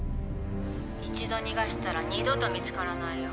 一度逃がしたら二度と見つからないよ